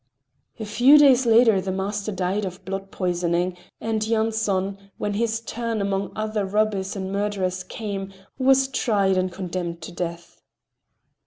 A few days later the master died of blood poisoning, and Yanson, when his turn among other robbers and murderers came, was tried and condemned to death.